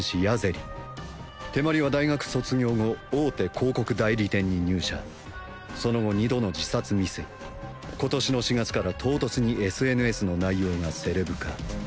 ヤゼリ手毬は大学卒業後大手広告代理店に入社その後２度の自殺未遂今年の４月から唐突にＳＮＳの内容がセレブ化